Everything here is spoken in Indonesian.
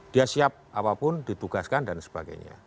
dia siap apapun ditugaskan dan sebagainya